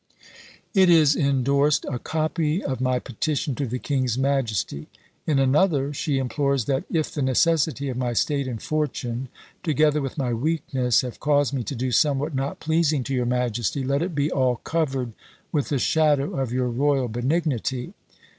It is indorsed, "A copy of my petition to the King's Majesty." In another she implores that "If the necessity of my state and fortune, together with my weakness, have caused me to do somewhat not pleasing to your majesty, let it be all covered with the shadow of your royal benignity."